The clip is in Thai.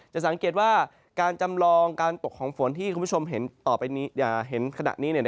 จะสังเกตว่าการจำลองการตกของฝนที่คุณผู้ชมเห็นขณะนี้